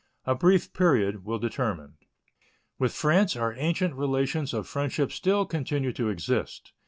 A brief period will determine. With France our ancient relations of friendship still continue to exist.